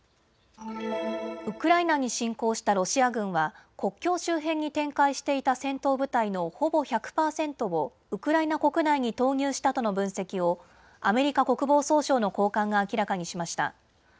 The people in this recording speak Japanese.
ウクライナに侵攻したロシア軍は国境周辺に展開していた戦闘部隊のほぼ１００％をウクライナ国内に投入したとの分析をアメリカ国防総省の高官が明らかにしました。